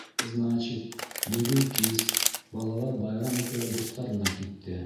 Значит, бөгөн кис, балалар байрам итергә дуҫтарына китте.